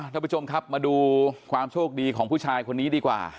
ท่านผู้ชมครับมาดูความโชคดีของผู้ชายคนนี้ดีกว่า